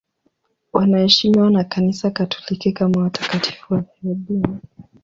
Wanaheshimiwa na Kanisa Katoliki kama watakatifu wafiadini.